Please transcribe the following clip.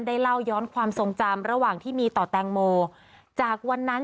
เล่าย้อนความทรงจำระหว่างที่มีต่อแตงโมจากวันนั้น